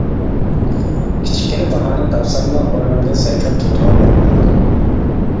كىچىككىنە باھانە تاپساملا ئورنۇمدىن سەكرەپ تۇرىدىغان بولۇپ قالدىم.